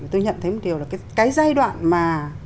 tôi nhận thấy một điều là cái giai đoạn mà